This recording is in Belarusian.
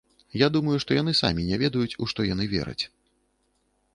Я думаю, што яны самі не ведаюць, у што яны вераць.